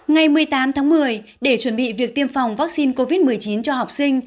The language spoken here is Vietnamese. ngày một mươi tám tháng một mươi để chuẩn bị việc tiêm phòng vaccine covid một mươi chín cho học sinh